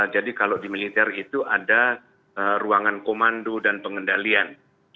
jadi kalau di militer itu ada ruangan komando dan pengendalian